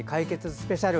スペシャル